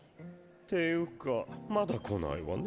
ていうかまだ来ないわね